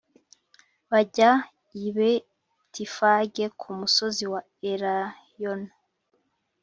bajya i Betifage ku musozi wa Elayono